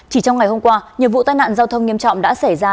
chỉ trong ngày hôm qua nhiều vụ tai nạn giao thông nghiêm trọng đã xảy ra